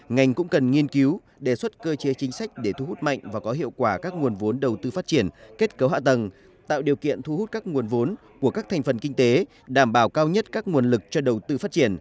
ngành cũng cần nghiên cứu đề xuất cơ chế chính sách để thu hút mạnh và có hiệu quả các nguồn vốn đầu tư phát triển kết cấu hạ tầng tạo điều kiện thu hút các nguồn vốn của các thành phần kinh tế đảm bảo cao nhất các nguồn lực cho đầu tư phát triển